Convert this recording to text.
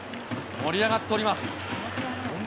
盛り上がっております。